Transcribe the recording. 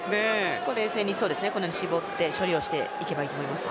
絞って処理をしていけば良いと思います。